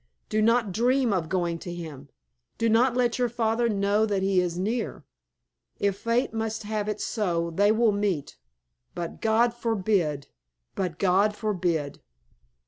Do not dream of going to him. Do not let your father know that he is near. If fate must have it so, they will meet. But God forbid! but God forbid!"